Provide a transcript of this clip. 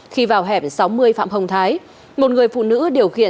khi vào hẻm sáu mươi phạm hồng thái